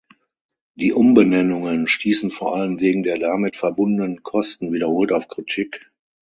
Die Umbenennungen stießen vor allem wegen der damit verbundenen Kosten wiederholt auf Kritik.